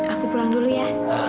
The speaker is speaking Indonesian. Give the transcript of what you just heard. aku pulang dulu ya